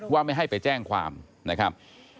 ว่าไม่ให้ไปแจ้งความนะครับ